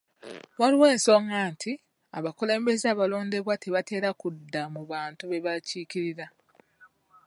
Waliwo ensonga nti abakulembeze abalondebwa tebatera kudda mu bantu be bakiikirira.